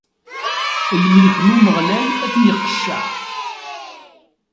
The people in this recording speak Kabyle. Lmelk n Umeɣlal ad ten-iqecceɛ!